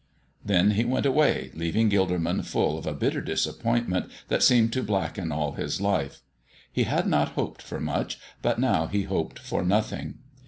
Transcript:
Then he went away, leaving Gilderman full of a bitter disappointment that seemed to blacken all his life. He had not hoped for much, but now he hoped for nothing.